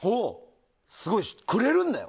すごいでしょ、くれるんだよ。